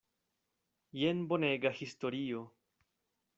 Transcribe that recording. Jen bonega historio!